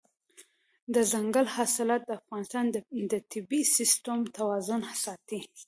دځنګل حاصلات د افغانستان د طبعي سیسټم توازن ساتي.